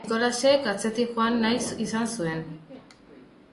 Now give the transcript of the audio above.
Nikolasek atzetik joan nahi izan zuen!